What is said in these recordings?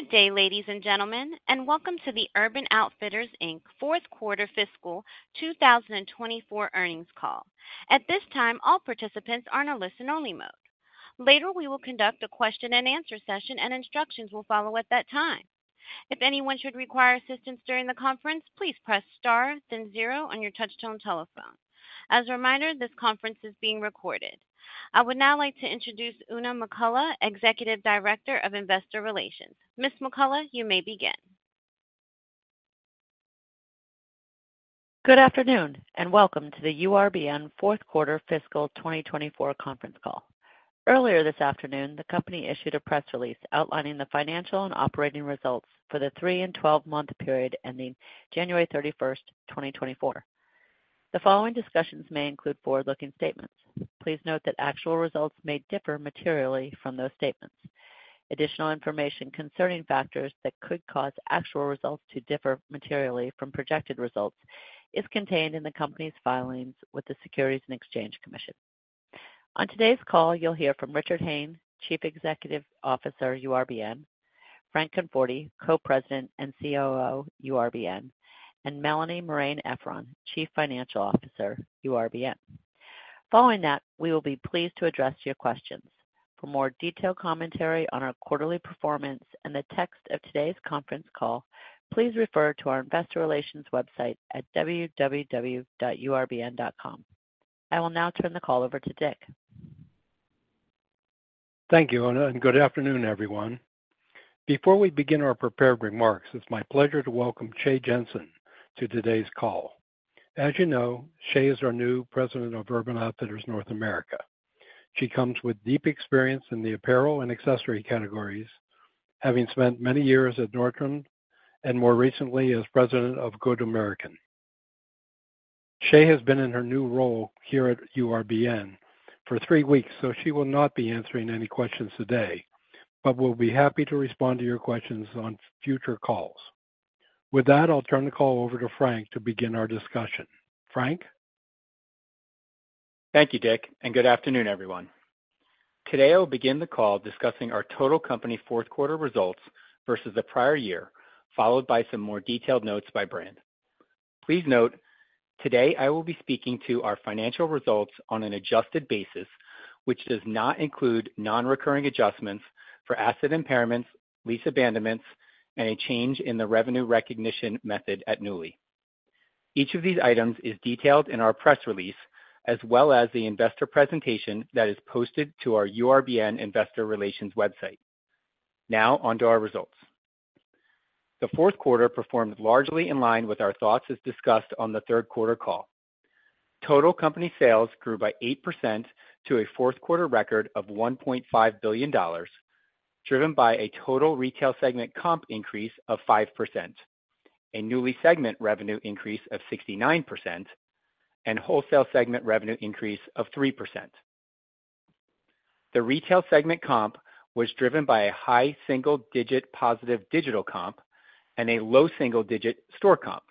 Good day, ladies and gentlemen, and welcome to the Urban Outfitters, Inc. fourth quarter fiscal 2024 earnings call. At this time, all participants are in a listen-only mode. Later, we will conduct a question-and-answer session, and instructions will follow at that time. If anyone should require assistance during the conference, please press star, then zero on your touch-tone telephone. As a reminder, this conference is being recorded. I would now like to introduce Oona McCullough, Executive Director of Investor Relations. Ms. McCullough, you may begin. Good afternoon and welcome to the URBN fourth quarter fiscal 2024 conference call. Earlier this afternoon, the company issued a press release outlining the financial and operating results for the three- and 12-month period ending January 31st, 2024. The following discussions may include forward-looking statements. Please note that actual results may differ materially from those statements. Additional information concerning factors that could cause actual results to differ materially from projected results is contained in the company's filings with the Securities and Exchange Commission. On today's call, you'll hear from Richard Hayne, Chief Executive Officer URBN, Frank Conforti, Co-President and COO URBN, and Melanie Marein-Efron, Chief Financial Officer URBN. Following that, we will be pleased to address your questions. For more detailed commentary on our quarterly performance and the text of today's conference call, please refer to our Investor Relations website at www.urbn.com. I will now turn the call over to Dick. Thank you, Oona, and good afternoon, everyone. Before we begin our prepared remarks, it's my pleasure to welcome Shea Jensen to today's call. As you know, Shea is our new President of Urban Outfitters North America. She comes with deep experience in the Apparel and Accessory categories, having spent many years at Nordstrom and more recently as President of Good American. Shea has been in her new role here at URBN for three weeks, so she will not be answering any questions today but will be happy to respond to your questions on future calls. With that, I'll turn the call over to Frank to begin our discussion. Frank? Thank you, Dick, and good afternoon, everyone. Today, I will begin the call discussing our total company fourth quarter results versus the prior year, followed by some more detailed notes by brand. Please note, today I will be speaking to our financial results on an adjusted basis, which does not include non-recurring adjustments for asset impairments, lease abandonments, and a change in the revenue recognition method at Nuuly. Each of these items is detailed in our press release as well as the investor presentation that is posted to our URBN Investor Relations website. Now onto our results. The fourth quarter performed largely in line with our thoughts as discussed on the third quarter call. Total company sales grew by 8% to a fourth quarter record of $1.5 billion, driven by a total Retail segment comp increase of 5%, a Nuuly segment revenue increase of 69%, and wholesale segment revenue increase of 3%. The Retail segment comp was driven by a high single-digit positive digital comp and a low single-digit store comp.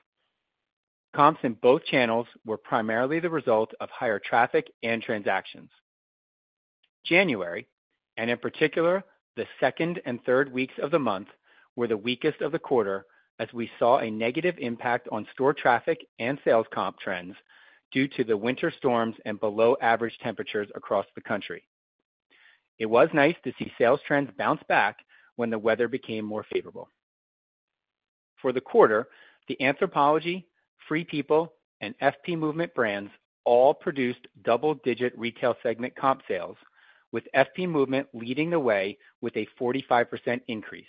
Comps in both channels were primarily the result of higher traffic and transactions. January, and in particular the second and third weeks of the month, were the weakest of the quarter as we saw a negative impact on store traffic and sales comp trends due to the winter storms and below-average temperatures across the country. It was nice to see sales trends bounce back when the weather became more favorable. For the quarter, the Anthropologie, Free People, and FP Movement brands all produced double-digit Retail segment comp sales, with FP Movement leading the way with a 45% increase.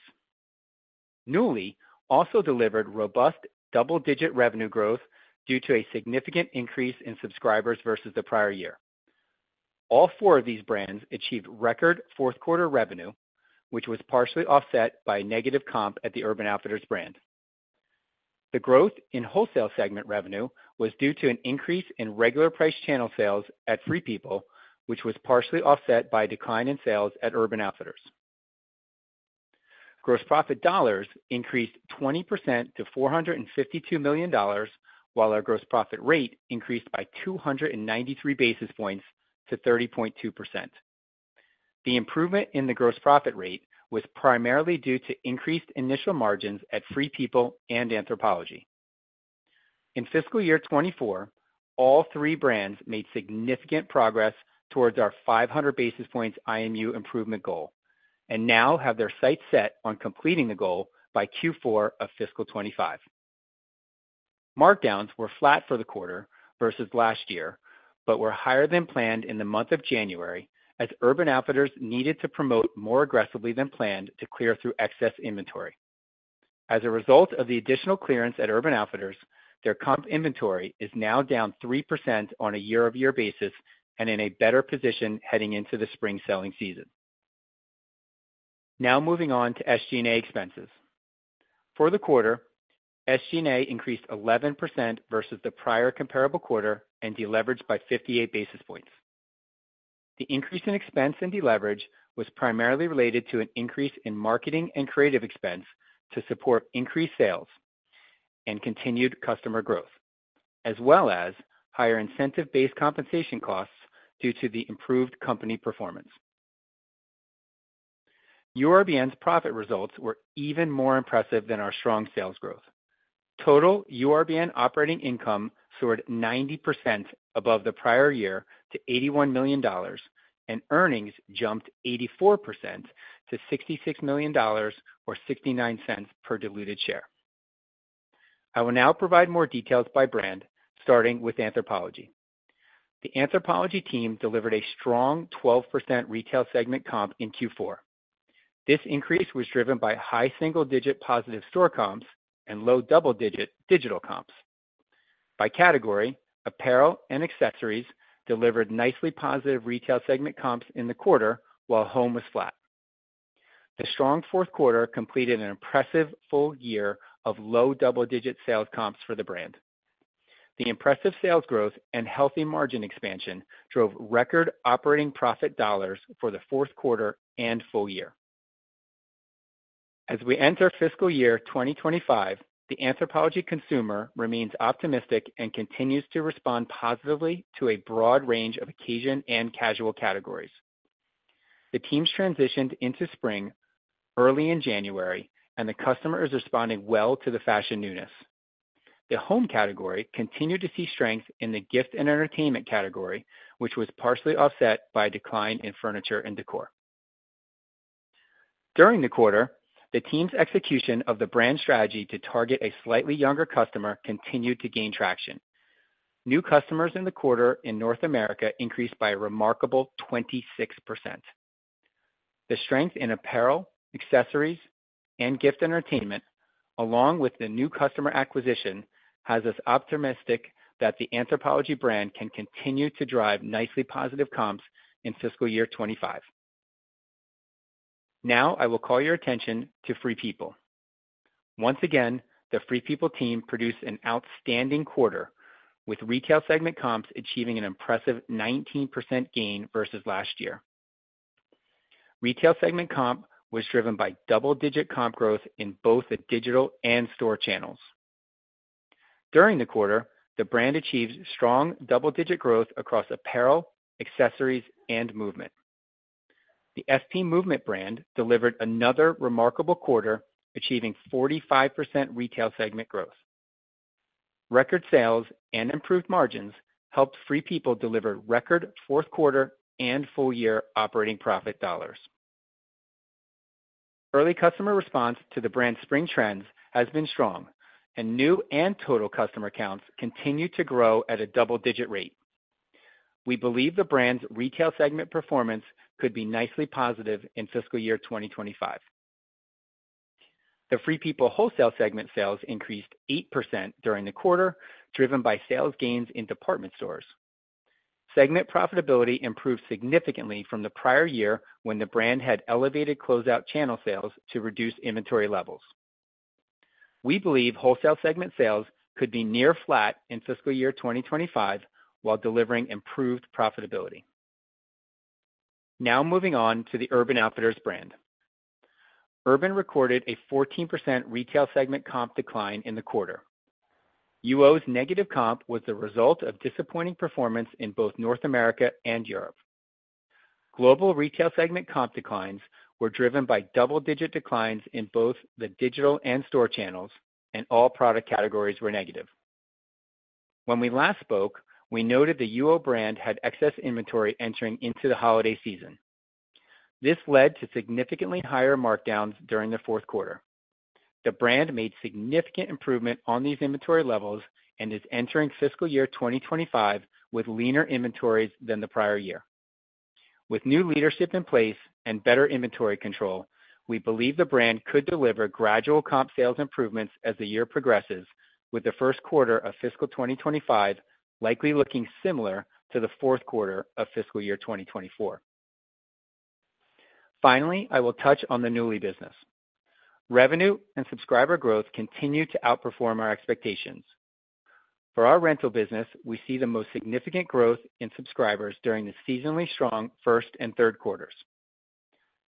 Nuuly also delivered robust double-digit revenue growth due to a significant increase in subscribers versus the prior year. All four of these brands achieved record fourth quarter revenue, which was partially offset by a negative comp at the Urban Outfitters brand. The growth in wholesale segment revenue was due to an increase in regular price channel sales at Free People, which was partially offset by a decline in sales at Urban Outfitters. Gross profit dollars increased 20% to $452 million, while our gross profit rate increased by 293 basis points to 30.2%. The improvement in the gross profit rate was primarily due to increased initial margins at Free People and Anthropologie. In fiscal year 2024, all three brands made significant progress towards our 500 basis points IMU improvement goal and now have their sights set on completing the goal by Q4 of fiscal 2025. Markdowns were flat for the quarter versus last year but were higher than planned in the month of January as Urban Outfitters needed to promote more aggressively than planned to clear through excess inventory. As a result of the additional clearance at Urban Outfitters, their comp inventory is now down 3% on a year-over-year basis and in a better position heading into the spring selling season. Now moving on to SG&A expenses. For the quarter, SG&A increased 11% versus the prior comparable quarter and deleveraged by 58 basis points. The increase in expense and deleverage was primarily related to an increase in marketing and creative expense to support increased sales and continued customer growth, as well as higher incentive-based compensation costs due to the improved company performance. URBN's profit results were even more impressive than our strong sales growth. Total URBN operating income soared 90% above the prior year to $81 million, and earnings jumped 84% to $66 million or $0.69 per diluted share. I will now provide more details by brand, starting with Anthropologie. The Anthropologie team delivered a strong 12% Retail segment comp in Q4. This increase was driven by high single-digit positive store comps and low double-digit digital comps. By category, Apparel and Accessories delivered nicely positive Retail segment comps in the quarter while home was flat. The strong fourth quarter completed an impressive full year of low double-digit sales comps for the brand. The impressive sales growth and healthy margin expansion drove record operating profit dollars for the fourth quarter and full year. As we enter fiscal year 2025, the Anthropologie consumer remains optimistic and continues to respond positively to a broad range of occasion and casual categories. The teams transitioned into spring early in January, and the customer is responding well to the fashion newness. The Home category continued to see strength in the Gift and Entertainment category, which was partially offset by a decline in furniture and décor. During the quarter, the team's execution of the brand strategy to target a slightly younger customer continued to gain traction. New customers in the quarter in North America increased by a remarkable 26%. The strength in Apparel, Accessories, and Gift Entertainment, along with the new customer acquisition, has us optimistic that the Anthropologie brand can continue to drive nicely positive comps in fiscal year 2025. Now I will call your attention to Free People. Once again, the Free People team produced an outstanding quarter, with Retail segment comps achieving an impressive 19% gain versus last year. Retail segment comp was driven by double-digit comp growth in both the digital and store channels. During the quarter, the brand achieved strong double-digit growth across Apparel, Accessories, and Movement. The FP Movement brand delivered another remarkable quarter, achieving 45% Retail segment growth. Record sales and improved margins helped Free People deliver record fourth quarter and full year operating profit dollars. Early customer response to the brand's spring trends has been strong, and new and total customer counts continue to grow at a double-digit rate. We believe the brand's Retail segment performance could be nicely positive in fiscal year 2025. The Free People wholesale segment sales increased 8% during the quarter, driven by sales gains in department stores. Segment profitability improved significantly from the prior year when the brand had elevated closeout channel sales to reduce inventory levels. We believe wholesale segment sales could be near flat in fiscal year 2025 while delivering improved profitability. Now moving on to the Urban Outfitters brand. Urban recorded a 14% Retail segment comp decline in the quarter. UO's negative comp was the result of disappointing performance in both North America and Europe. Global Retail segment comp declines were driven by double-digit declines in both the digital and store channels, and all product categories were negative. When we last spoke, we noted the UO brand had excess inventory entering into the holiday season. This led to significantly higher markdowns during the fourth quarter. The brand made significant improvement on these inventory levels and is entering fiscal year 2025 with leaner inventories than the prior year. With new leadership in place and better inventory control, we believe the brand could deliver gradual comp sales improvements as the year progresses, with the first quarter of fiscal 2025 likely looking similar to the fourth quarter of fiscal year 2024. Finally, I will touch on the Nuuly business. Revenue and subscriber growth continue to outperform our expectations. For our rental business, we see the most significant growth in subscribers during the seasonally strong first and third quarters.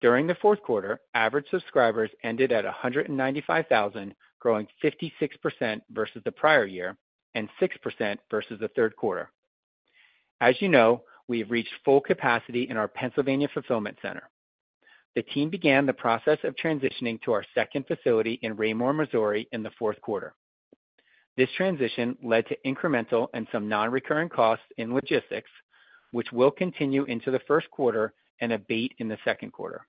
During the fourth quarter, average subscribers ended at 195,000, growing 56% versus the prior year and 6% versus the third quarter. As you know, we have reached full capacity in our Pennsylvania Fulfillment Center. The team began the process of transitioning to our second facility in Raymore, Missouri, in the fourth quarter. This transition led to incremental and some non-recurring costs in logistics, which will continue into the first quarter and abate in the second quarter.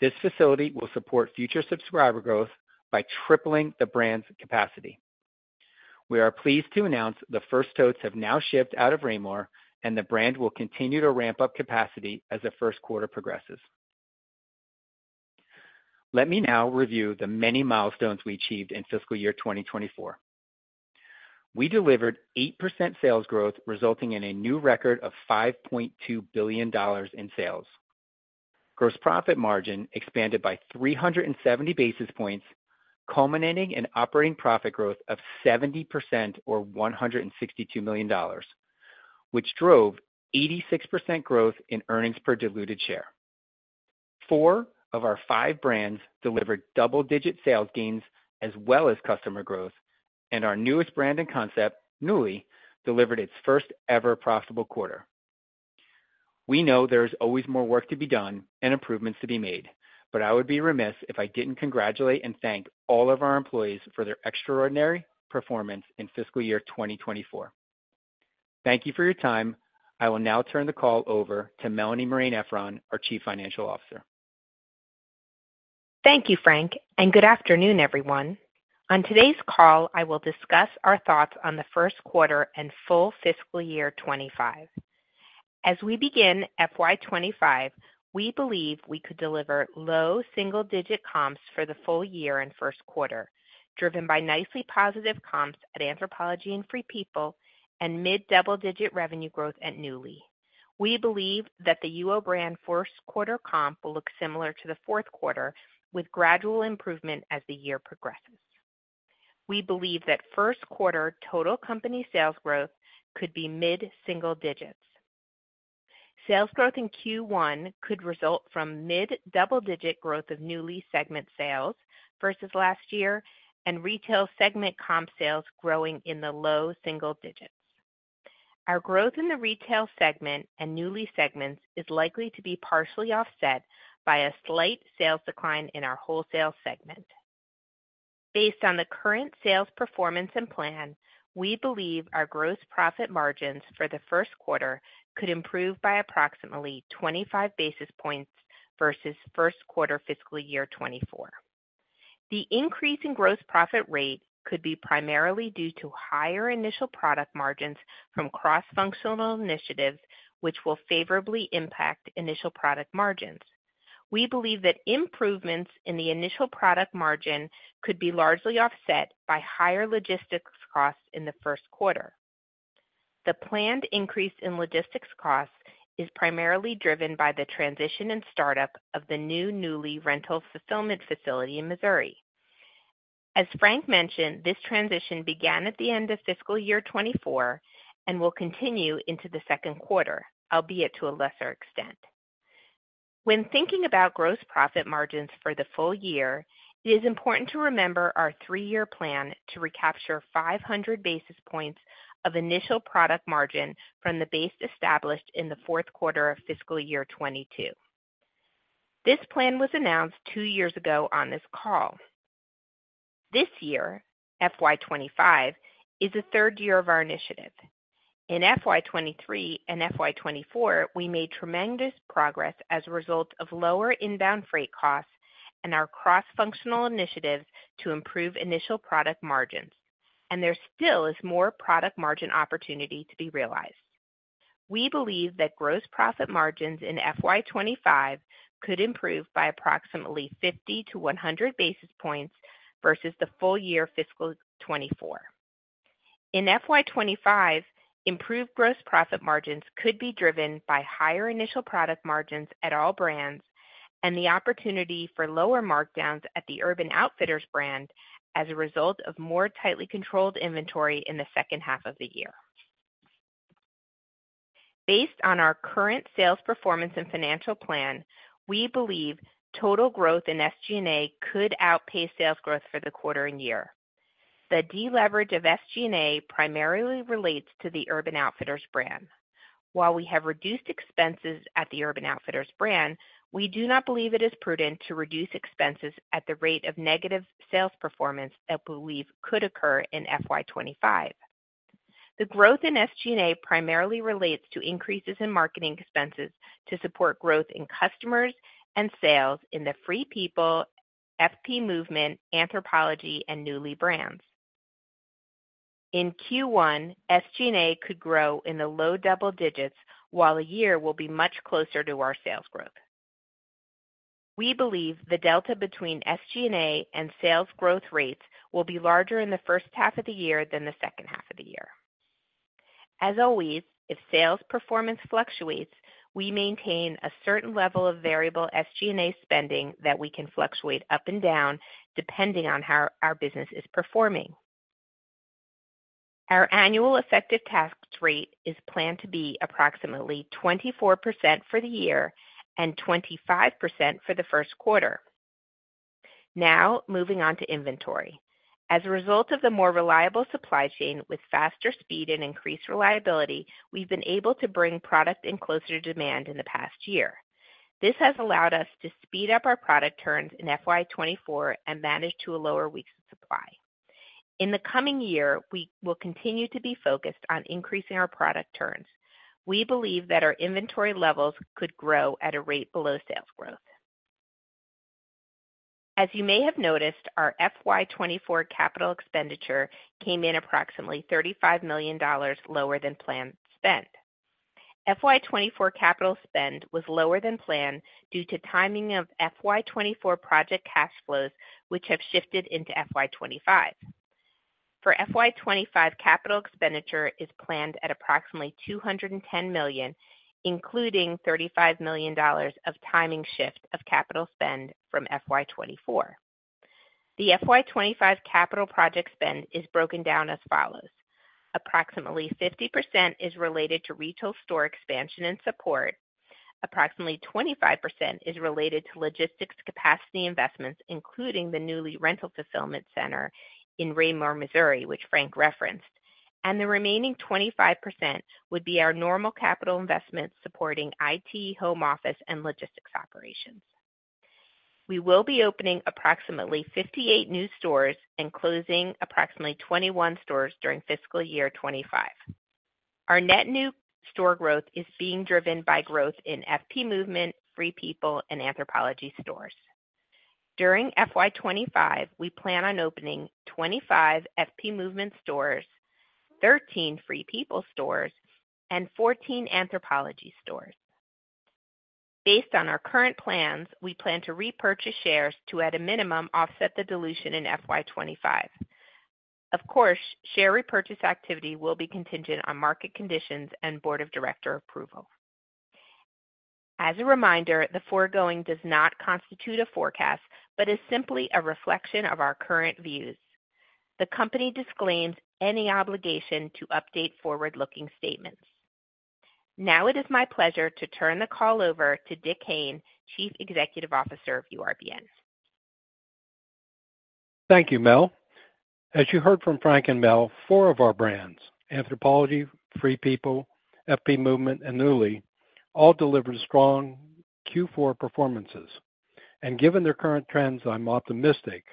This facility will support future subscriber growth by tripling the brand's capacity. We are pleased to announce the first totes have now shipped out of Raymore, and the brand will continue to ramp up capacity as the first quarter progresses. Let me now review the many milestones we achieved in fiscal year 2024. We delivered 8% sales growth, resulting in a new record of $5.2 billion in sales. Gross profit margin expanded by 370 basis points, culminating in operating profit growth of 70% or $162 million, which drove 86% growth in earnings per diluted share. Four of our five brands delivered double-digit sales gains as well as customer growth, and our newest brand and concept, Nuuly, delivered its first-ever profitable quarter. We know there is always more work to be done and improvements to be made, but I would be remiss if I didn't congratulate and thank all of our employees for their extraordinary performance in fiscal year 2024. Thank you for your time. I will now turn the call over to Melanie Marein-Efron, our Chief Financial Officer. Thank you, Frank, and good afternoon, everyone. On today's call, I will discuss our thoughts on the first quarter and full fiscal year 2025. As we begin FY 2025, we believe we could deliver low single-digit comps for the full year and first quarter, driven by nicely positive comps at Anthropologie and Free People and mid-double-digit revenue growth at Nuuly. We believe that the UO brand first quarter comp will look similar to the fourth quarter, with gradual improvement as the year progresses. We believe that first quarter total company sales growth could be mid-single digits. Sales growth in Q1 could result from mid-double-digit growth of Nuuly segment sales versus last year and Retail segment comp sales growing in the low single digits. Our growth in the Retail segment and Nuuly segments is likely to be partially offset by a slight sales decline in our wholesale segment. Based on the current sales performance and plan, we believe our gross profit margins for the first quarter could improve by approximately 25 basis points versus first quarter fiscal year 2024. The increase in gross profit rate could be primarily due to higher initial product margins from cross-functional initiatives, which will favorably impact initial product margins. We believe that improvements in the initial product margin could be largely offset by higher logistics costs in the first quarter. The planned increase in logistics costs is primarily driven by the transition and startup of the new Nuuly rental fulfillment facility in Missouri. As Frank mentioned, this transition began at the end of fiscal year 2024 and will continue into the second quarter, albeit to a lesser extent. When thinking about gross profit margins for the full year, it is important to remember our three-year plan to recapture 500 basis points of initial product margin from the base established in the fourth quarter of fiscal year 2022. This plan was announced two years ago on this call. This year, FY 2025, is the third year of our initiative. In FY 2023 and FY 2024, we made tremendous progress as a result of lower inbound freight costs and our cross-functional initiatives to improve initial product margins, and there still is more product margin opportunity to be realized. We believe that gross profit margins in FY 2025 could improve by approximately 50-100 basis points versus the full year fiscal 2024. In FY 2025, improved gross profit margins could be driven by higher initial product margins at all brands and the opportunity for lower markdowns at the Urban Outfitters brand as a result of more tightly controlled inventory in the second half of the year. Based on our current sales performance and financial plan, we believe total growth in SG&A could outpace sales growth for the quarter and year. The deleverage of SG&A primarily relates to the Urban Outfitters brand. While we have reduced expenses at the Urban Outfitters brand, we do not believe it is prudent to reduce expenses at the rate of negative sales performance that we believe could occur in FY 2025. The growth in SG&A primarily relates to increases in marketing expenses to support growth in customers and sales in the Free People, FP Movement, Anthropologie, and Nuuly brands. In Q1, SG&A could grow in the low double digits, while a year will be much closer to our sales growth. We believe the delta between SG&A and sales growth rates will be larger in the first half of the year than the second half of the year. As always, if sales performance fluctuates, we maintain a certain level of variable SG&A spending that we can fluctuate up and down depending on how our business is performing. Our annual effective tax rate is planned to be approximately 24% for the year and 25% for the first quarter. Now moving on to inventory. As a result of the more reliable supply chain with faster speed and increased reliability, we've been able to bring product in closer to demand in the past year. This has allowed us to speed up our product turns in FY 2024 and manage to a lower week's supply. In the coming year, we will continue to be focused on increasing our product turns. We believe that our inventory levels could grow at a rate below sales growth. As you may have noticed, our FY 2024 capital expenditure came in approximately $35 million lower than planned spend. FY 2024 capital spend was lower than planned due to timing of FY 2024 project cash flows, which have shifted into FY 2025. For FY 2025, capital expenditure is planned at approximately $210 million, including $35 million of timing shift of capital spend from FY 2024. The FY 2025 capital project spend is broken down as follows: approximately 50% is related to retail store expansion and support, approximately 25% is related to logistics capacity investments, including the Nuuly rental fulfillment center in Raymore, Missouri, which Frank referenced, and the remaining 25% would be our normal capital investments supporting IT, home office, and logistics operations. We will be opening approximately 58 new stores and closing approximately 21 stores during fiscal year 2025. Our net new store growth is being driven by growth in FP Movement, Free People, and Anthropologie stores. During FY 2025, we plan on opening 25 FP Movement stores, 13 Free People stores, and 14 Anthropologie stores. Based on our current plans, we plan to repurchase shares to, at a minimum, offset the dilution in FY 2025. Of course, share repurchase activity will be contingent on market conditions and board of director approval. As a reminder, the foregoing does not constitute a forecast but is simply a reflection of our current views. The company disclaims any obligation to update forward-looking statements. Now it is my pleasure to turn the call over to Dick Hayne, Chief Executive Officer of URBN. Thank you, Mel. As you heard from Frank and Mel, four of our brands, Anthropologie, Free People, FP Movement, and Nuuly, all delivered strong Q4 performances. Given their current trends, I'm optimistic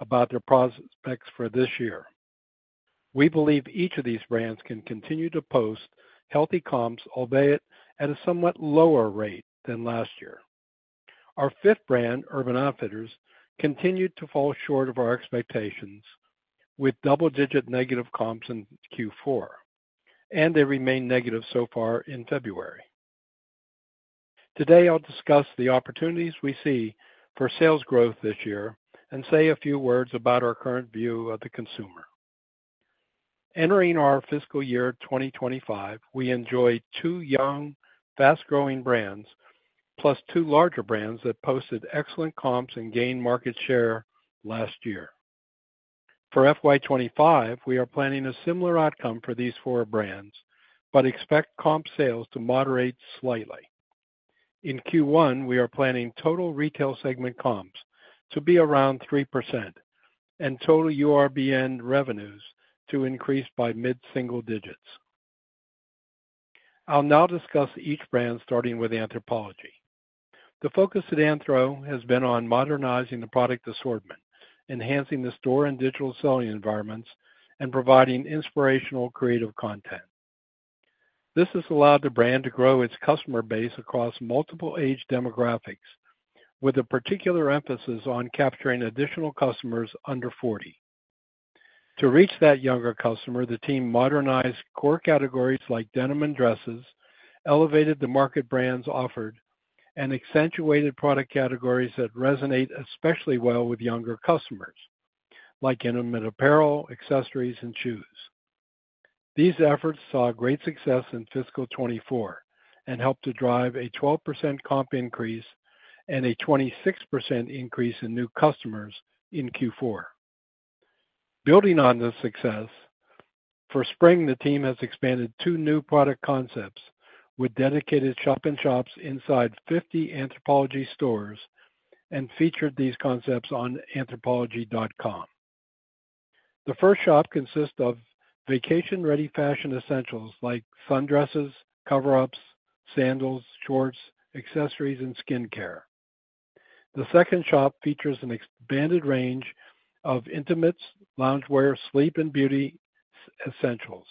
about their prospects for this year. We believe each of these brands can continue to post healthy comps, albeit at a somewhat lower rate than last year. Our fifth brand, Urban Outfitters, continued to fall short of our expectations with double-digit negative comps in Q4, and they remained negative so far in February. Today, I'll discuss the opportunities we see for sales growth this year and say a few words about our current view of the consumer. Entering our fiscal year 2025, we enjoyed two young, fast-growing brands plus two larger brands that posted excellent comps and gained market share last year. For FY 2025, we are planning a similar outcome for these four brands but expect comp sales to moderate slightly. In Q1, we are planning total Retail segment comps to be around 3% and total URBN revenues to increase by mid-single digits. I'll now discuss each brand, starting with Anthropologie. The focus at Anthro has been on modernizing the product assortment, enhancing the store and digital selling environments, and providing inspirational creative content. This has allowed the brand to grow its customer base across multiple age demographics, with a particular emphasis on capturing additional customers under 40. To reach that younger customer, the team modernized core categories like denim and dresses, elevated the market brands offered, and accentuated product categories that resonate especially well with younger customers, like Intimate Apparel, Accessories, and Shoes. These efforts saw great success in fiscal 2024 and helped to drive a 12% comp increase and a 26% increase in new customers in Q4. Building on this success, for spring, the team has expanded two new product concepts with dedicated shop-in shops inside 50 Anthropologie stores and featured these concepts on Anthropologie.com. The first shop consists of vacation-ready fashion essentials like sundresses, cover-ups, sandals, shorts, accessories, and skincare. The second shop features an expanded range of intimates, loungewear, sleep, and beauty essentials.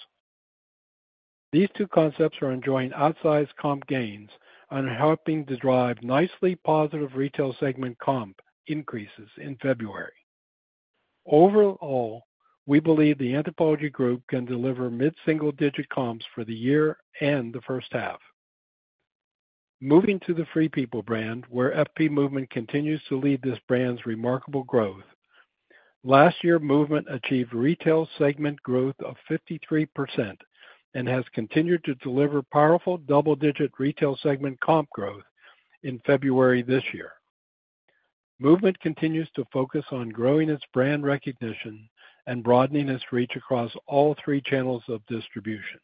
These two concepts are enjoying outsized comp gains and are helping to drive nicely positive Retail segment comp increases in February. Overall, we believe the Anthropologie group can deliver mid-single digit comps for the year and the first half. Moving to the Free People brand, where FP Movement continues to lead this brand's remarkable growth, last year, Movement achieved Retail segment growth of 53% and has continued to deliver powerful double-digit Retail segment comp growth in February this year. Movement continues to focus on growing its brand recognition and broadening its reach across all three channels of distribution.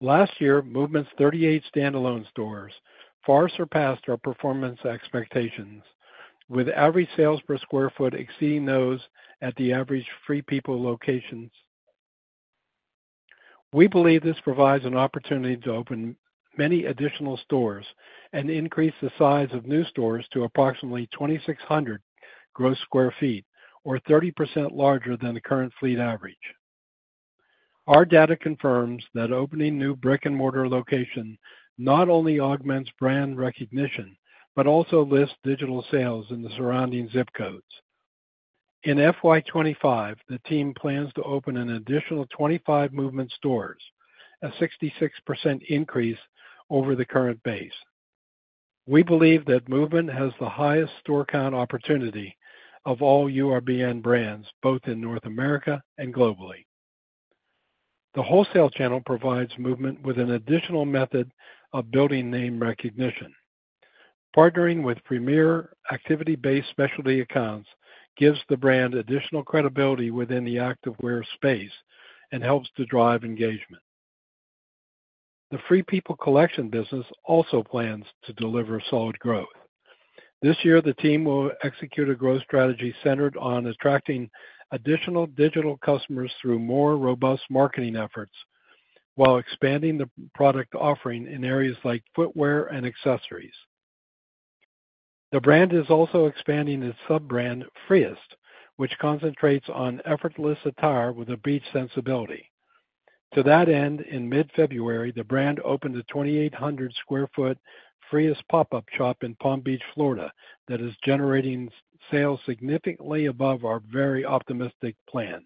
Last year, Movement's 38 standalone stores far surpassed our performance expectations, with average sales per sq ft exceeding those at the average Free People locations. We believe this provides an opportunity to open many additional stores and increase the size of new stores to approximately 2,600 gross sq ft, or 30% larger than the current fleet average. Our data confirms that opening new brick-and-mortar locations not only augments brand recognition but also lifts digital sales in the surrounding ZIP codes. In FY 2025, the team plans to open an additional 25 Movement stores, a 66% increase over the current base. We believe that Movement has the highest store-count opportunity of all URBN brands, both in North America and globally. The wholesale channel provides Movement with an additional method of building name recognition. Partnering with Premiere, activity-based specialty accounts gives the brand additional credibility within the activewear space and helps to drive engagement. The Free People collection business also plans to deliver solid growth. This year, the team will execute a growth strategy centered on attracting additional digital customers through more robust marketing efforts while expanding the product offering in areas like footwear and accessories. The brand is also expanding its sub-brand, free-est, which concentrates on effortless attire with a beach sensibility. To that end, in mid-February, the brand opened a 2,800 sq ft free-est pop-up shop in Palm Beach, Florida, that is generating sales significantly above our very optimistic plan.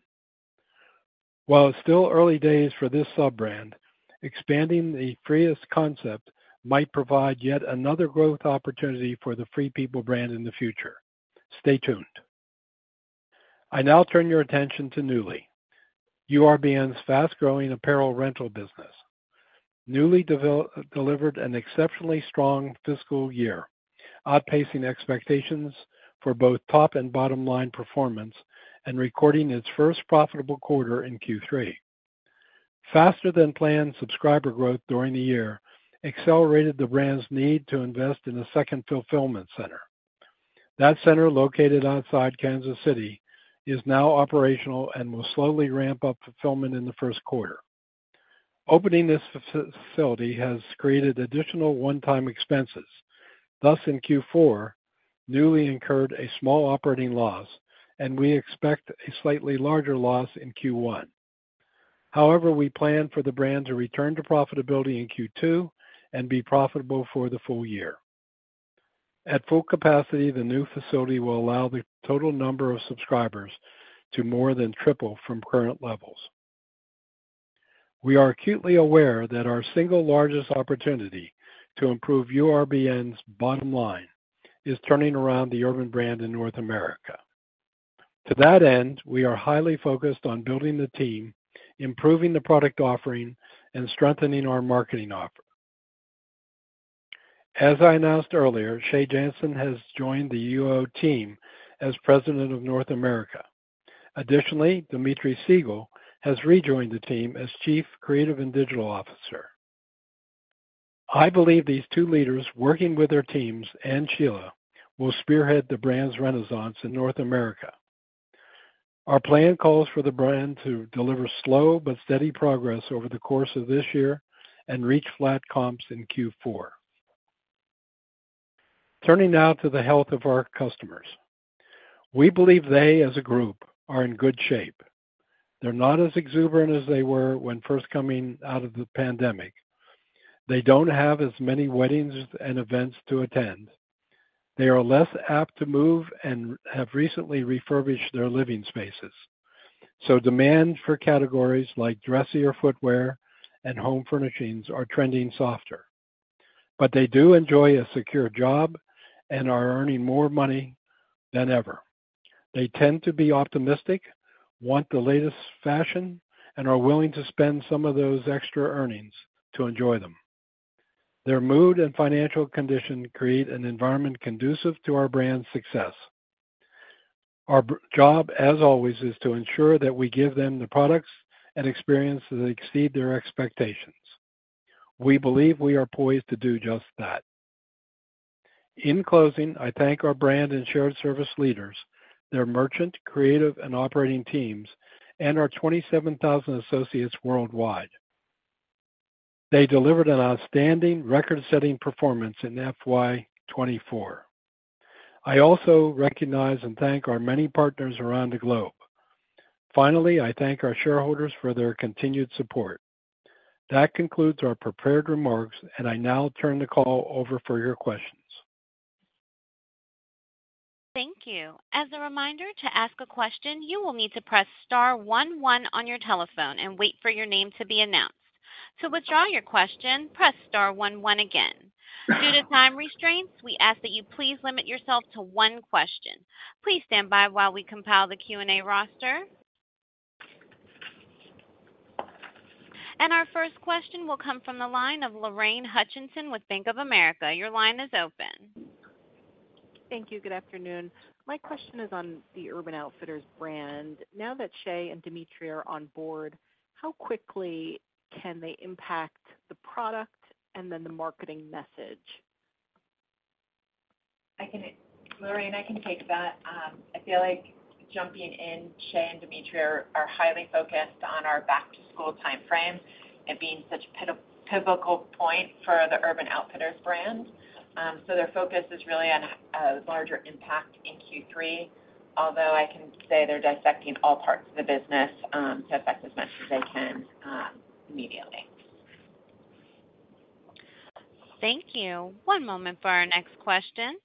While it's still early days for this sub-brand, expanding the free-est concept might provide yet another growth opportunity for the Free People brand in the future. Stay tuned. I now turn your attention to Nuuly, URBN's fast-growing apparel rental business. Nuuly delivered an exceptionally strong fiscal year, outpacing expectations for both top and bottom-line performance and recording its first profitable quarter in Q3. Faster-than-plan subscriber growth during the year accelerated the brand's need to invest in a second fulfillment center. That center, located outside Kansas City, is now operational and will slowly ramp up fulfillment in the first quarter. Opening this facility has created additional one-time expenses. Thus, in Q4, Nuuly incurred a small operating loss, and we expect a slightly larger loss in Q1. However, we plan for the brand to return to profitability in Q2 and be profitable for the full year. At full capacity, the new facility will allow the total number of subscribers to more than triple from current levels. We are acutely aware that our single largest opportunity to improve URBN's bottom line is turning around the Urban brand in North America. To that end, we are highly focused on building the team, improving the product offering, and strengthening our marketing offer. As I announced earlier, Shea Jensen has joined the UO team as President of North America. Additionally, Dmitri Siegel has rejoined the team as Chief Creative and Digital Officer. I believe these two leaders, working with their teams and Sheila, will spearhead the brand's Renaissance in North America. Our plan calls for the brand to deliver slow but steady progress over the course of this year and reach flat comps in Q4. Turning now to the health of our customers. We believe they, as a group, are in good shape. They're not as exuberant as they were when first coming out of the pandemic. They don't have as many weddings and events to attend. They are less apt to move and have recently refurbished their living spaces, so demand for categories like dressier footwear and home furnishings are trending softer. But they do enjoy a secure job and are earning more money than ever. They tend to be optimistic, want the latest fashion, and are willing to spend some of those extra earnings to enjoy them. Their mood and financial condition create an environment conducive to our brand's success. Our job, as always, is to ensure that we give them the products and experiences that exceed their expectations. We believe we are poised to do just that. In closing, I thank our brand and shared service leaders, their merchant, creative, and operating teams, and our 27,000 associates worldwide. They delivered an outstanding, record-setting performance in FY 2024. I also recognize and thank our many partners around the globe. Finally, I thank our shareholders for their continued support. That concludes our prepared remarks, and I now turn the call over for your questions. Thank you. As a reminder, to ask a question, you will need to press star one one on your telephone and wait for your name to be announced. To withdraw your question, press star one one again. Due to time restraints, we ask that you please limit yourself to one question. Please stand by while we compile the Q&A roster. Our first question will come from the line of Lorraine Hutchinson with Bank of America. Your line is open. Thank you. Good afternoon. My question is on the Urban Outfitters brand. Now that Shea and Dmitri are on board, how quickly can they impact the product and then the marketing message? Lorraine, I can take that. I feel like jumping in, Shea and Dmitri are highly focused on our back-to-school time frame and being such a pivotal point for the Urban Outfitters brand. So their focus is really on a larger impact in Q3, although I can say they're dissecting all parts of the business to affect as much as they can immediately. Thank you. One moment for our next question.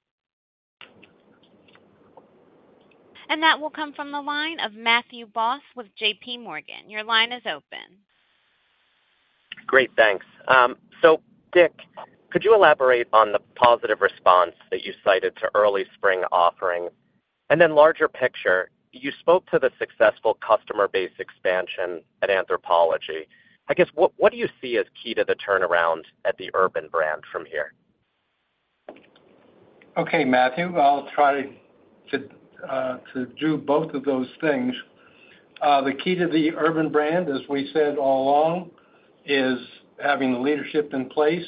That will come from the line of Matthew Boss with JPMorgan. Your line is open. Great. Thanks. So, Dick, could you elaborate on the positive response that you cited to early spring offering? And then, larger picture, you spoke to the successful customer base expansion at Anthropologie. I guess, what do you see as key to the turnaround at the Urban brand from here? Okay, Matthew. I'll try to do both of those things. The key to the Urban brand, as we said all along, is having the leadership in place.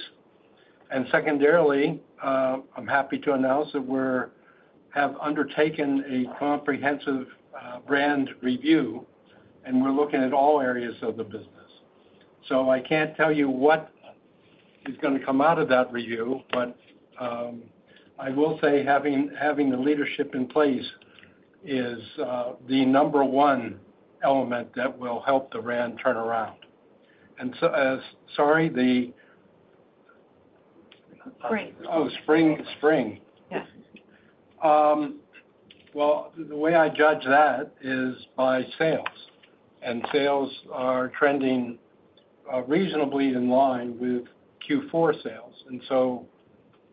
Secondarily, I'm happy to announce that we have undertaken a comprehensive brand review, and we're looking at all areas of the business. So I can't tell you what is going to come out of that review, but I will say having the leadership in place is the number one element that will help the brand turn around. Sorry, the. Spring. Oh, spring. Spring. Well, the way I judge that is by sales. Sales are trending reasonably in line with Q4 sales. So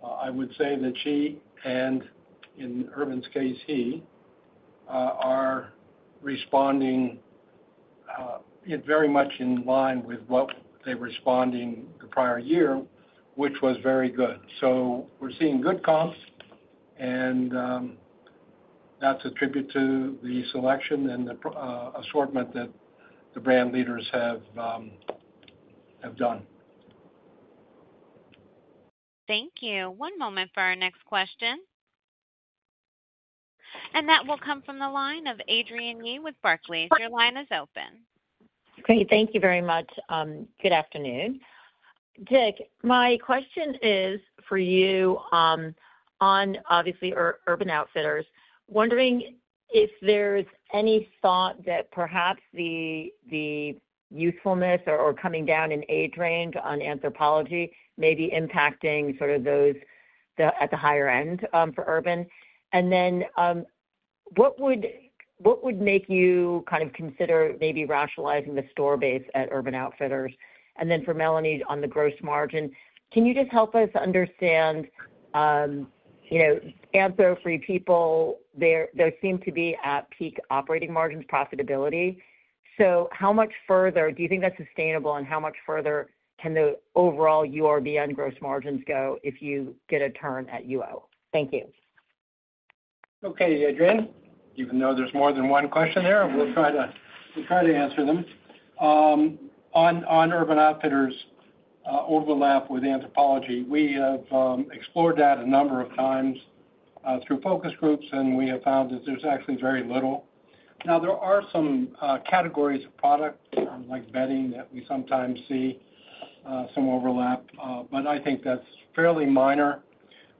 I would say that she and, in Urban's case, he are responding very much in line with what they were responding the prior year, which was very good. So we're seeing good comps, and that's a tribute to the selection and the assortment that the brand leaders have done. Thank you. One moment for our next question. That will come from the line of Adrienne Yih with Barclays. Your line is open. Great. Thank you very much. Good afternoon. Dick, my question is for you on, obviously, Urban Outfitters, wondering if there's any thought that perhaps the usefulness or coming down in age range on Anthropologie may be impacting sort of those at the higher end for Urban. And then what would make you kind of consider maybe rationalizing the store base at Urban Outfitters? And then for Melanie on the gross margin, can you just help us understand Anthro, Free People, they seem to be at peak operating margins, profitability. So how much further do you think that's sustainable, and how much further can the overall URBN gross margins go if you get a turn at UO? Thank you. Okay, Adrienne. Even though there's more than one question there, we'll try to answer them. On Urban Outfitters' overlap with Anthropologie, we have explored that a number of times through focus groups, and we have found that there's actually very little. Now, there are some categories of products like bedding that we sometimes see some overlap, but I think that's fairly minor.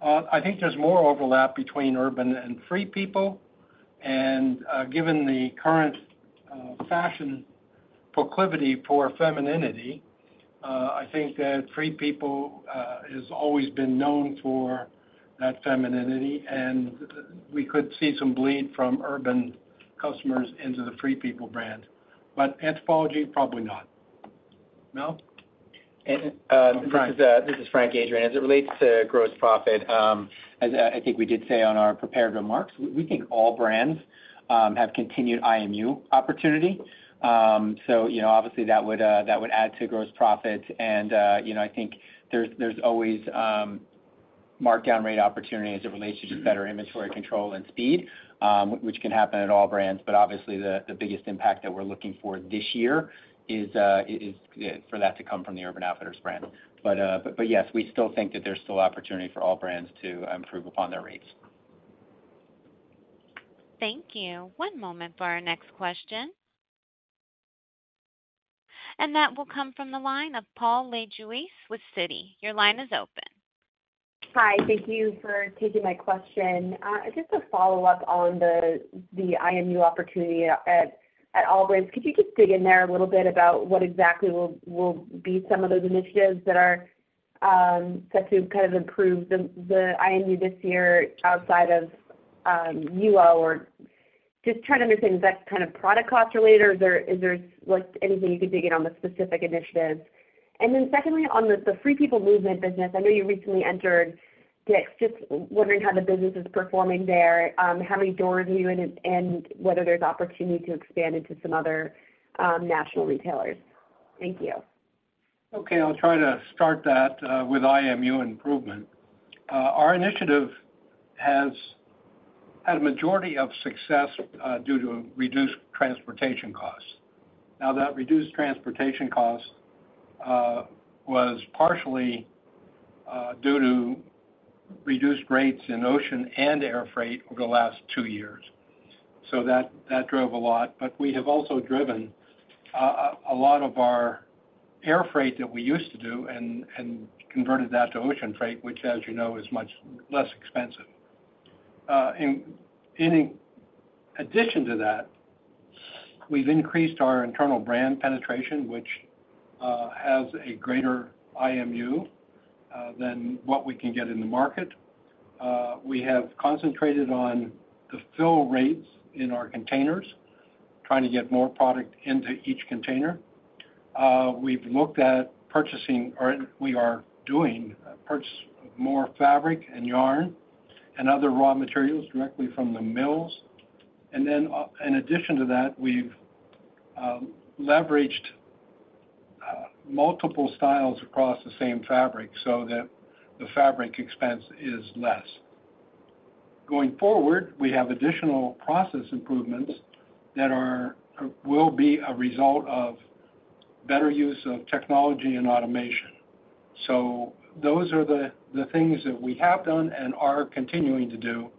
I think there's more overlap between Urban and Free People. And given the current fashion proclivity for femininity, I think that Free People has always been known for that femininity, and we could see some bleed from urban customers into the Free People brand. But Anthropologie, probably not. Mel? This is Frank. This is Frank, Adrienne. As it relates to gross profit, as I think we did say on our prepared remarks, we think all brands have continued IMU opportunity. So obviously, that would add to gross profit. And I think there's always markdown rate opportunity as it relates to just better inventory control and speed, which can happen at all brands. But obviously, the biggest impact that we're looking for this year is for that to come from the Urban Outfitters brand. But yes, we still think that there's still opportunity for all brands to improve upon their rates. Thank you. One moment for our next question. That will come from the line of Paul Lejuez with Citi. Your line is open. Hi. Thank you for taking my question. Just a follow-up on the IMU opportunity at all brands. Could you just dig in there a little bit about what exactly will be some of those initiatives that are set to kind of improve the IMU this year outside of UO? Or just trying to understand, is that kind of product cost-related, or is there anything you could dig in on the specific initiatives? And then secondly, on the FP Movement business, I know you recently entered Dick's. Just wondering how the business is performing there. How many doors are you in, and whether there's opportunity to expand into some other national retailers? Thank you. Okay. I'll try to start that with IMU improvement. Our initiative has had a majority of success due to reduced transportation costs. Now, that reduced transportation cost was partially due to reduced rates in ocean and air freight over the last two years. So that drove a lot. But we have also driven a lot of our air freight that we used to do and converted that to ocean freight, which, as you know, is much less expensive. In addition to that, we've increased our internal brand penetration, which has a greater IMU than what we can get in the market. We have concentrated on the fill rates in our containers, trying to get more product into each container. We've looked at purchasing or we are doing purchase of more fabric and yarn and other raw materials directly from the mills. Then in addition to that, we've leveraged multiple styles across the same fabric so that the fabric expense is less. Going forward, we have additional process improvements that will be a result of better use of technology and automation. Those are the things that we have done and are continuing to do.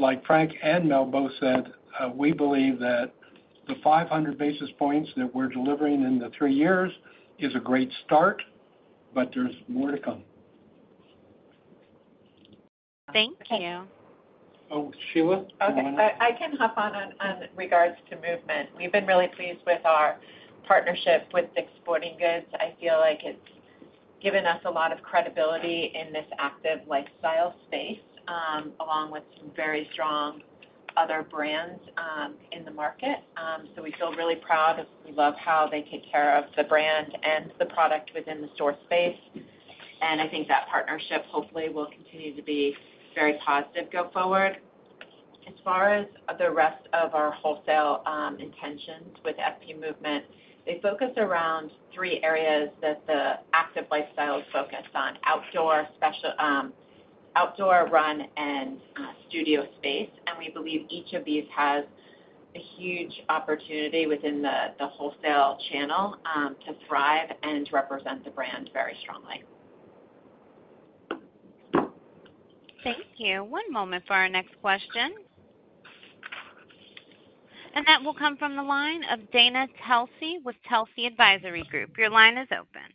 Like Frank and Mel both said, we believe that the 500 basis points that we're delivering in the three years is a great start, but there's more to come. Thank you. Oh, Sheila? I can hop on in regards to movement. We've been really pleased with our partnership with Dick's Sporting Goods. I feel like it's given us a lot of credibility in this active lifestyle space along with some very strong other brands in the market. So we feel really proud of we love how they take care of the brand and the product within the store space. And I think that partnership, hopefully, will continue to be very positive go forward. As far as the rest of our wholesale intentions with FP Movement, they focus around three areas that the active lifestyle is focused on: outdoor, run, and studio space. And we believe each of these has a huge opportunity within the wholesale channel to thrive and to represent the brand very strongly. Thank you. One moment for our next question. That will come from the line of Dana Telsey with Telsey Advisory Group. Your line is open.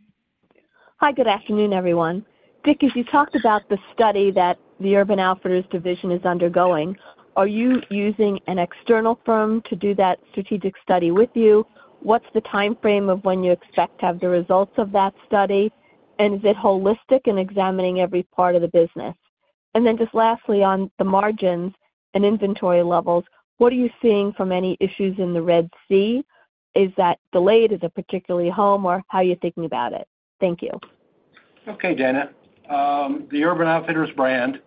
Hi. Good afternoon, everyone. Dick, as you talked about the study that the Urban Outfitters division is undergoing, are you using an external firm to do that strategic study with you? What's the time frame of when you expect to have the results of that study? And is it holistic in examining every part of the business? And then just lastly, on the margins and inventory levels, what are you seeing from any issues in the Red Sea? Is that delayed as a particularly home or how are you thinking about it? Thank you. Okay, Dana. The Urban Outfitters brand,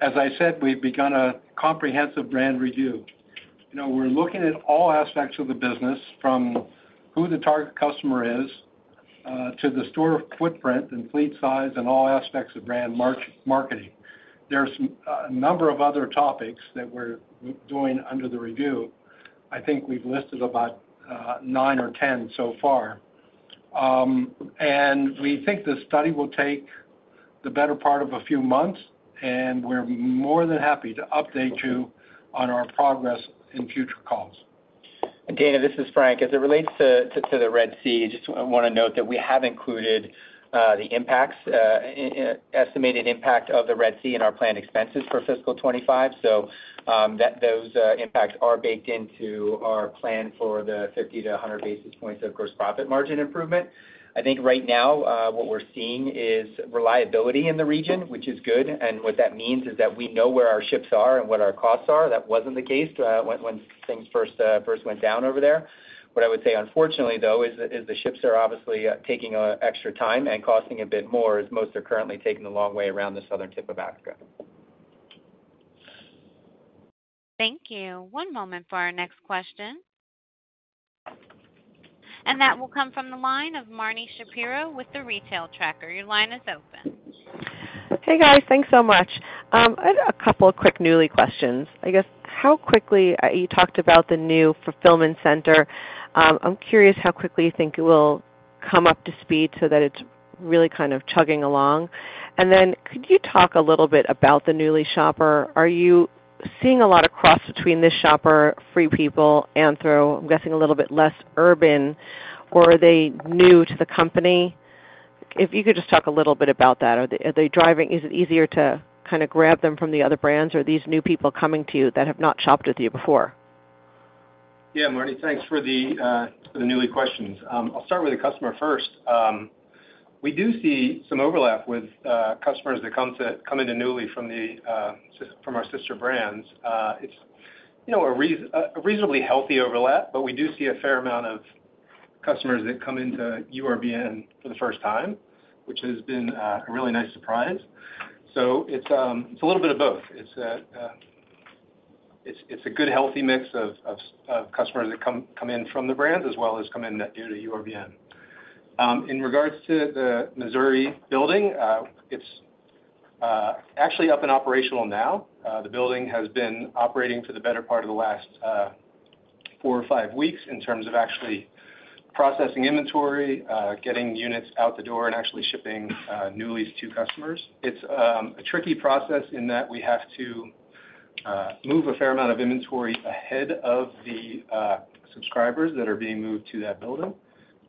as I said, we've begun a comprehensive brand review. We're looking at all aspects of the business from who the target customer is to the store footprint and fleet size and all aspects of brand marketing. There's a number of other topics that we're doing under the review. I think we've listed about nine or 10 so far. We think the study will take the better part of a few months, and we're more than happy to update you on our progress in future calls. Dana, this is Frank. As it relates to the Red Sea, I just want to note that we have included the estimated impact of the Red Sea in our planned expenses for fiscal 2025. So those impacts are baked into our plan for the 50-100 basis points of gross profit margin improvement. I think right now, what we're seeing is reliability in the region, which is good. And what that means is that we know where our ships are and what our costs are. That wasn't the case when things first went down over there. What I would say, unfortunately, though, is the ships are obviously taking extra time and costing a bit more as most are currently taking the long way around the southern tip of Africa. Thank you. One moment for our next question. That will come from the line of Marni Shapiro with The Retail Tracker. Your line is open. Hey, guys. Thanks so much. A couple of quick Nuuly questions. I guess, how quickly you talked about the new fulfillment center. I'm curious how quickly you think it will come up to speed so that it's really kind of chugging along. And then could you talk a little bit about the Nuuly shopper? Are you seeing a lot of cross between this shopper, Free People, Anthro, I'm guessing a little bit less urban, or are they new to the company? If you could just talk a little bit about that. Is it easier to kind of grab them from the other brands, or are these new people coming to you that have not shopped with you before? Yeah, Marni. Thanks for the Nuuly questions. I'll start with the customer first. We do see some overlap with customers that come in newly from our sister brands. It's a reasonably healthy overlap, but we do see a fair amount of customers that come into URBN for the first time, which has been a really nice surprise. So it's a little bit of both. It's a good, healthy mix of customers that come in from the brands as well as come in due to URBN. In regards to the Missouri building, it's actually up and operational now. The building has been operating for the better part of the last four or five weeks in terms of actually processing inventory, getting units out the door, and actually shipping Nuuly to customers. It's a tricky process in that we have to move a fair amount of inventory ahead of the subscribers that are being moved to that building.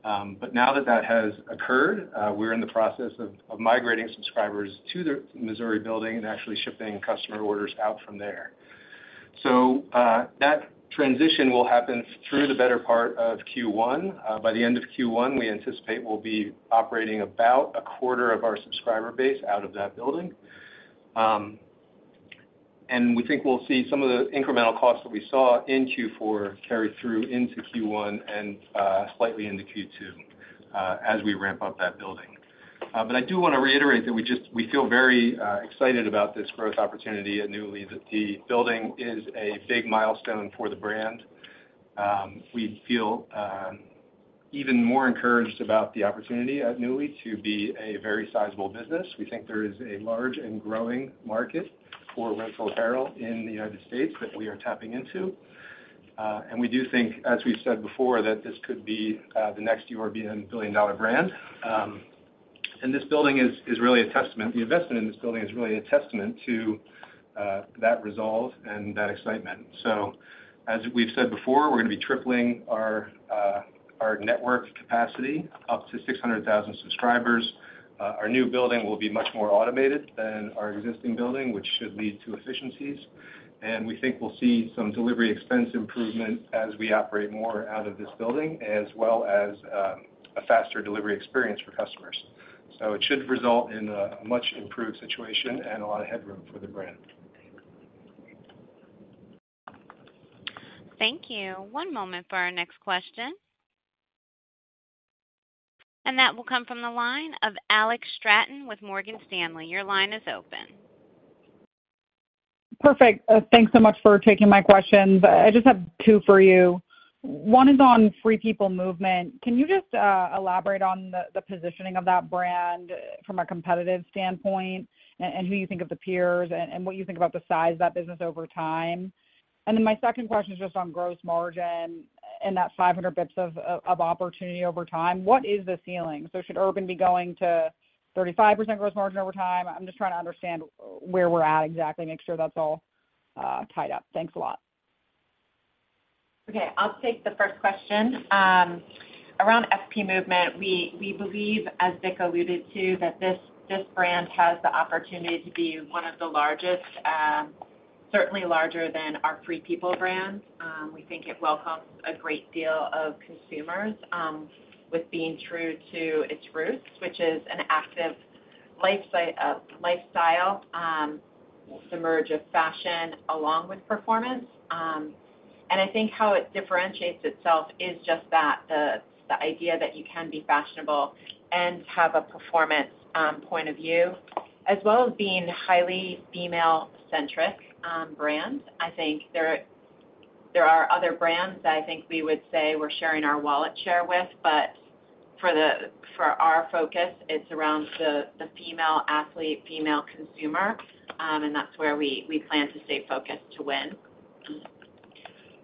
But now that that has occurred, we're in the process of migrating subscribers to the Missouri building and actually shipping customer orders out from there. So that transition will happen through the better part of Q1. By the end of Q1, we anticipate we'll be operating about a quarter of our subscriber base out of that building. And we think we'll see some of the incremental costs that we saw in Q4 carry through into Q1 and slightly into Q2 as we ramp up that building. But I do want to reiterate that we feel very excited about this growth opportunity at Nuuly. The building is a big milestone for the brand. We feel even more encouraged about the opportunity at Nuuly to be a very sizable business. We think there is a large and growing market for rental apparel in the United States that we are tapping into. We do think, as we've said before, that this could be the next URBN billion-dollar brand. This building is really a testament. The investment in this building is really a testament to that resolve and that excitement. As we've said before, we're going to be tripling our network capacity up to 600,000 subscribers. Our new building will be much more automated than our existing building, which should lead to efficiencies. We think we'll see some delivery expense improvement as we operate more out of this building as well as a faster delivery experience for customers. It should result in a much improved situation and a lot of headroom for the brand. Thank you. One moment for our next question. That will come from the line of Alex Straton with Morgan Stanley. Your line is open. Perfect. Thanks so much for taking my questions. I just have two for you. One is on Free People Movement. Can you just elaborate on the positioning of that brand from a competitive standpoint and who you think of the peers and what you think about the size of that business over time? And then my second question is just on gross margin and that 500 basis points of opportunity over time. What is the ceiling? So should Urban be going to 35% gross margin over time? I'm just trying to understand where we're at exactly, make sure that's all tied up. Thanks a lot. Okay. I'll take the first question. Around FP Movement, we believe, as Dick alluded to, that this brand has the opportunity to be one of the largest, certainly larger than our Free People brand. We think it welcomes a great deal of consumers with being true to its roots, which is an active lifestyle, the merge of fashion along with performance. And I think how it differentiates itself is just the idea that you can be fashionable and have a performance point of view as well as being a highly female-centric brand. I think there are other brands that I think we would say we're sharing our wallet share with. But for our focus, it's around the female athlete, female consumer. And that's where we plan to stay focused to win.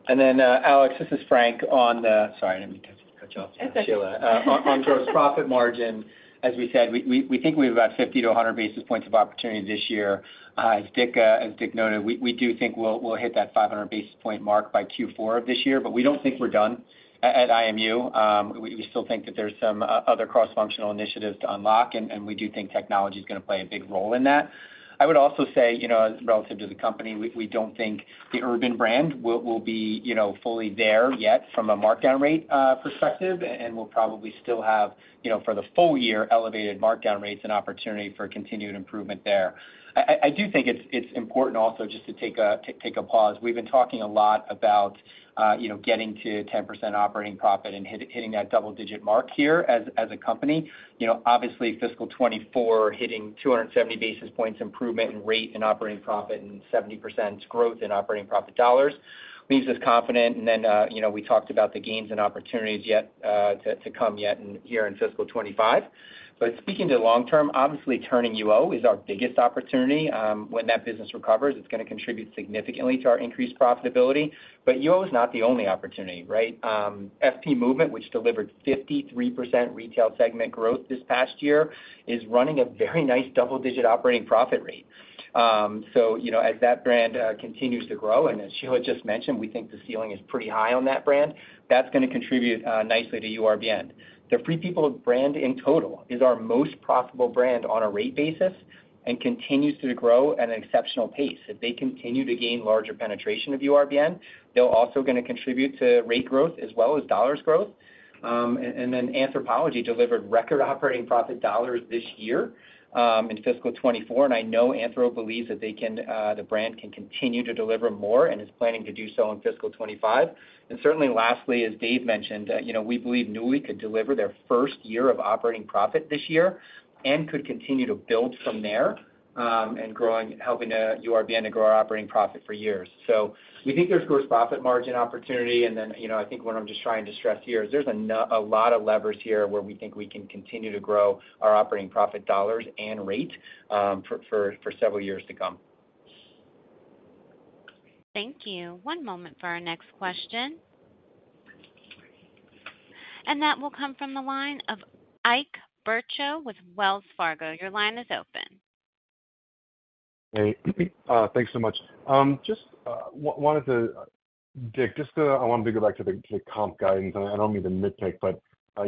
And then, Alex, this is Frank. Sorry, let me cut you off there, Sheila. On gross profit margin, as we said, we think we have about 50-100 basis points of opportunity this year. As Dick noted, we do think we'll hit that 500 basis point mark by Q4 of this year, but we don't think we're done at IMU. We still think that there's some other cross-functional initiatives to unlock, and we do think technology is going to play a big role in that. I would also say, relative to the company, we don't think the Urban brand will be fully there yet from a markdown rate perspective, and we'll probably still have, for the full year, elevated markdown rates and opportunity for continued improvement there. I do think it's important also just to take a pause. We've been talking a lot about getting to 10% operating profit and hitting that double-digit mark here as a company. Obviously, fiscal 2024 hitting 270 basis points improvement in rate and operating profit and 70% growth in operating profit dollars leaves us confident. Then we talked about the gains and opportunities to come yet here in fiscal 2025. But speaking to long term, obviously, turning UO is our biggest opportunity. When that business recovers, it's going to contribute significantly to our increased profitability. But UO is not the only opportunity, right? FP Movement, which delivered 53% Retail segment growth this past year, is running a very nice double-digit operating profit rate. So as that brand continues to grow, and as Sheila just mentioned, we think the ceiling is pretty high on that brand, that's going to contribute nicely to URBN. The Free People brand in total is our most profitable brand on a rate basis and continues to grow at an exceptional pace. If they continue to gain larger penetration of URBN, they're also going to contribute to rate growth as well as dollars growth. Anthropologie delivered record operating profit dollars this year in fiscal 2024. I know Anthro believes that the brand can continue to deliver more and is planning to do so in fiscal 2025. Certainly, lastly, as Dave mentioned, we believe Nuuly could deliver their first year of operating profit this year and could continue to build from there and helping URBN to grow our operating profit for years. We think there's gross profit margin opportunity. And then I think what I'm just trying to stress here is there's a lot of levers here where we think we can continue to grow our operating profit dollars and rate for several years to come. Thank you. One moment for our next question. That will come from the line of Ike Boruchow with Wells Fargo. Your line is open. Hey. Thanks so much. Just wanted to, Dick. I wanted to go back to the comp guidance. I don't mean to nitpick, but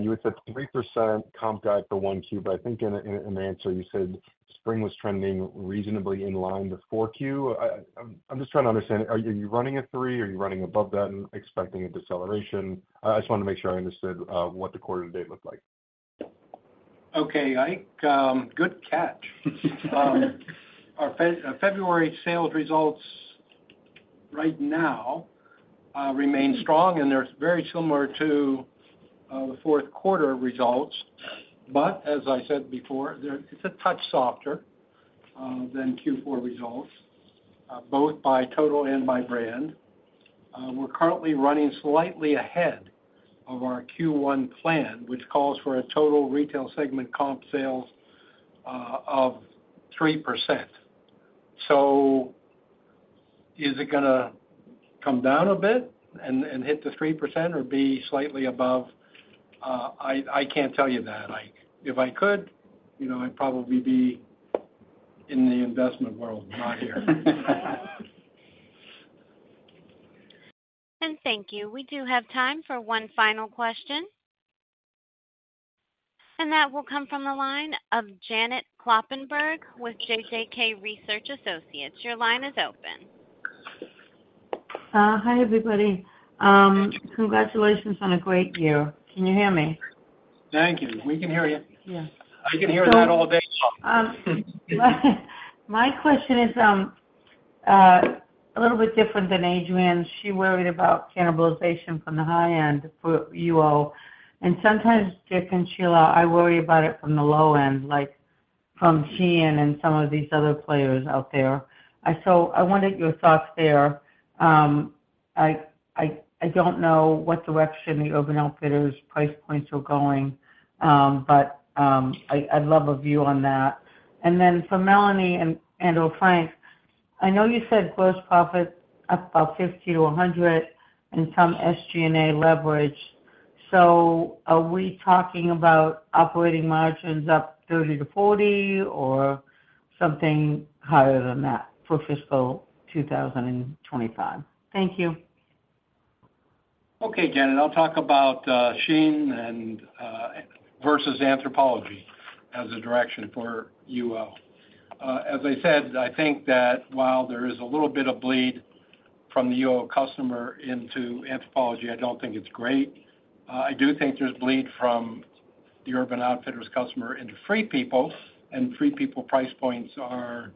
you had said 3% comp guide for 1Q. But I think in the answer, you said spring was trending reasonably in line to 4Q. I'm just trying to understand, are you running a 3? Are you running above that and expecting a deceleration? I just wanted to make sure I understood what the quarter to date looked like. Okay, Ike, good catch. Our February sales results right now remain strong, and they're very similar to the fourth quarter results. But as I said before, it's a touch softer than Q4 results, both by total and by brand. We're currently running slightly ahead of our Q1 plan, which calls for a total Retail segment comp sales of 3%. So is it going to come down a bit and hit the 3% or be slightly above? I can't tell you that, Ike. If I could, I'd probably be in the investment world, not here. Thank you. We do have time for one final question. That will come from the line of Janet Kloppenberg with JJK Research Associates. Your line is open. Hi, everybody. Congratulations on a great year. Can you hear me? Thank you. We can hear you. I can hear that all day long. My question is a little bit different than Adrienne. She worried about cannibalization from the high end for UO. And sometimes, Dick and Sheila, I worry about it from the low end, like from SHEIN and some of these other players out there. So I wanted your thoughts there. I don't know what direction the Urban Outfitters price points are going, but I'd love a view on that. And then for Melanie and/or Frank, I know you said gross profit up about 50-100 and some SG&A leverage. So are we talking about operating margins up 30-40 or something higher than that for fiscal 2025? Thank you. Okay, Janet. I'll talk about SHEIN versus Anthropologie as a direction for UO. As I said, I think that while there is a little bit of bleed from the UO customer into Anthropologie, I don't think it's great. I do think there's bleed from the Urban Outfitters customer into Free People, and Free People price points are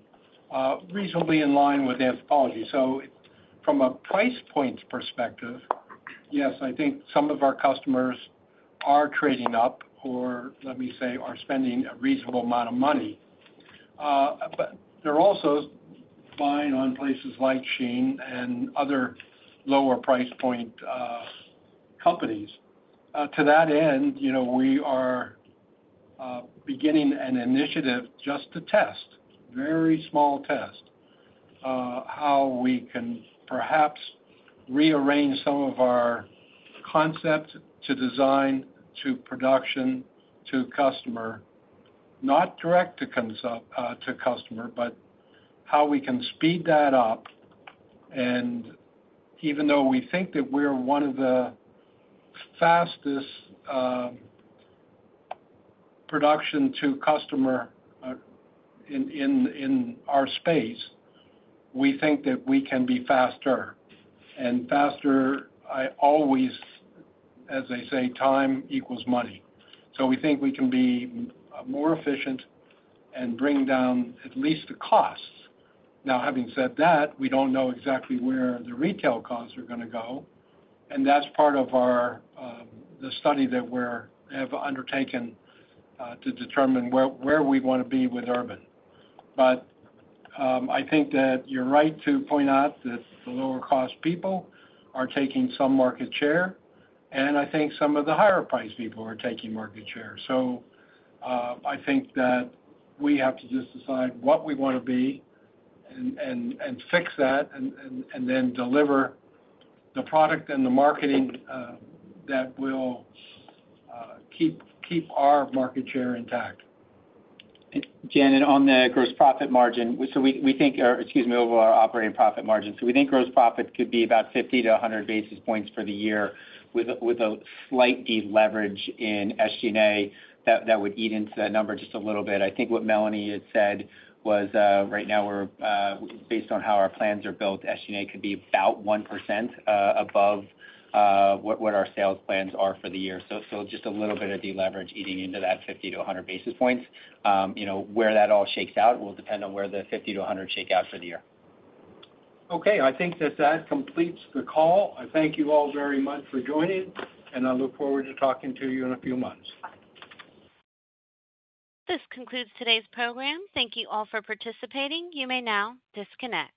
reasonably in line with Anthropologie. So from a price point perspective, yes, I think some of our customers are trading up or, let me say, are spending a reasonable amount of money. But they're also buying on places like SHEIN and other lower-price point companies. To that end, we are beginning an initiative just to test, very small test, how we can perhaps rearrange some of our concept to design, to production, to customer, not direct to customer, but how we can speed that up. Even though we think that we're one of the fastest production to customer in our space, we think that we can be faster. Faster, as they say, time equals money. So we think we can be more efficient and bring down at least the costs. Now, having said that, we don't know exactly where the retail costs are going to go. That's part of the study that we have undertaken to determine where we want to be with Urban. But I think that you're right to point out that the lower-cost people are taking some market share, and I think some of the higher-priced people are taking market share. So I think that we have to just decide what we want to be and fix that and then deliver the product and the marketing that will keep our market share intact. Janet, on the gross profit margin so we think or, excuse me, over our operating profit margin. So we think gross profit could be about 50-100 basis points for the year with a slight de-leverage in SG&A that would eat into that number just a little bit. I think what Melanie had said was, right now, based on how our plans are built, SG&A could be about 1% above what our sales plans are for the year. So just a little bit of de-leverage eating into that 50-100 basis points. Where that all shakes out will depend on where the 50-100 shake out for the year. Okay. I think that that completes the call. I thank you all very much for joining, and I look forward to talking to you in a few months. This concludes today's program. Thank you all for participating. You may now disconnect.